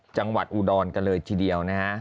จังหวัดอุดรกันเลยทีเดียวนะฮะ